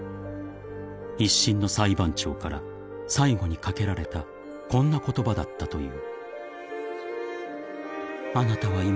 ［一審の裁判長から最後に掛けられたこんな言葉だったという］